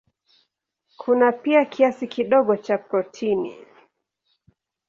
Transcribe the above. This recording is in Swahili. Kuna pia kiasi kidogo cha protini.